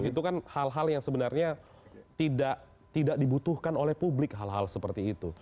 itu kan hal hal yang sebenarnya tidak dibutuhkan oleh publik hal hal seperti itu